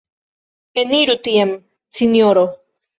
Eniru tien, Sinjoro.